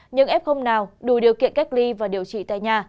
những f nào đủ điều kiện cách ly và điều trị tại nhà